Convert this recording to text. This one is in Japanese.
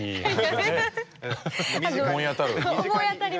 思い当たる？